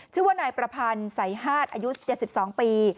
ชื่อว่านายประพันธ์สายฮาดอายุ๗๒ปี